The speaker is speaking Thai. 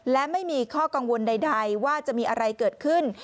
และไม่มีข้อกังวลใดว่าจะมีอะไรเกิดขึ้น